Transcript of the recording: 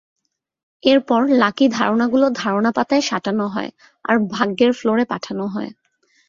এরপর, লাকি ধারণাগুলো ধারণা-পাতায় সাঁটানো হয়, আর ভাগ্যের ফ্লোরে পাঠানো হয়।